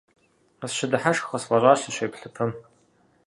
Къысщыдыхьэшх къысфӀэщӀащ, сыщеплъыпэм.